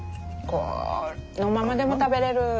このままでも食べれる。